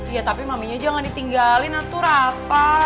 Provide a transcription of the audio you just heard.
iya tapi maminya jangan ditinggalin atuh rafa